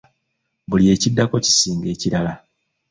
Buli ekiddako kisinga ekirala.